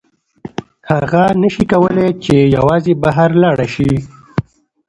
هغه نشي کولی چې یوازې بهر لاړه شي.